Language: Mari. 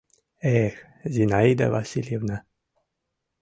Эх, Зинаида Васильевна!..